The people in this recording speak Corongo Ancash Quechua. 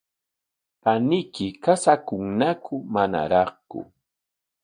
¿Paniyki qusayuqñaku manaraqku?